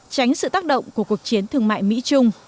tránh sự tác động của cuộc chiến thương mại mỹ trung